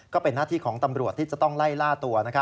ก็เป็นหน้าที่ของตำรวจที่จะต้องไล่ล่าตัว